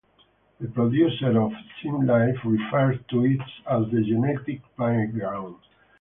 The producers of "SimLife" refer to it as "The Genetic Playground".